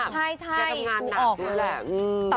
ใช่แต่ทำงานหนักนึงแหละ